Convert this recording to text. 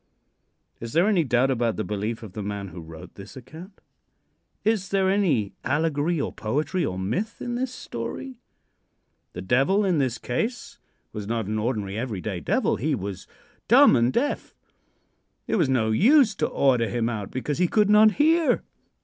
Is there any doubt about the belief of the man who wrote this account? Is there any allegory, or poetry, or myth in this story? The devil, in this case, was not an ordinary, every day devil. He was dumb and deaf; it was no use to order him out, because he could not hear.